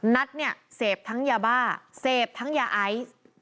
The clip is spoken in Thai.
นัทเนี่ยเสพทั้งยาบ้าเสพทั้งยาไอซ์